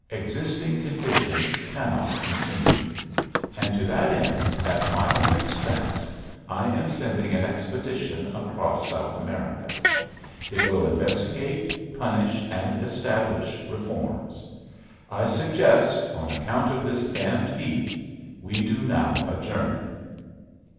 "Existing conditions cannot continue. And to that end, at my own expense, I am sending an expedition across South America. It will investigate, punish, and establish reforms. I suggest, on account of this damned heat, we do now adjourn."